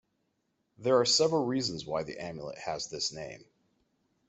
There are several reasons why the amulet has this name.